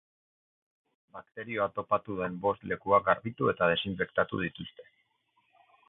Gainera, bakterioa topatu den bost lekuak garbitu eta desinfektatu dituzte.